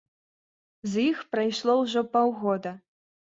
З іх прайшло ўжо паўгода.